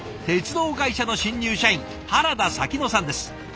鉄道会社の新入社員原田咲乃さんです。